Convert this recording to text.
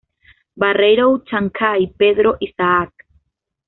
Barreiro Chancay, Pedro Isaac.